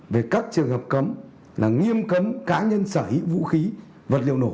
về các trường hợp cấm là nghiêm cấm cá nhân sở hữu vũ khí vật liệu nổ